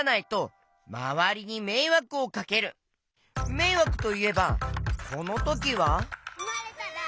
めいわくといえばこのときは？